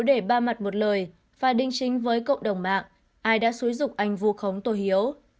để ba mặt một lời và đính chính với cộng đồng mạng ai đã xúi dục anh vu khống tô hiếu